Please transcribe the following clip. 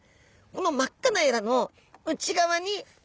この真っ赤なエラの内側に。